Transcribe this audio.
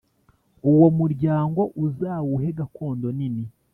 uwo muryango uzawuhe gakondo nini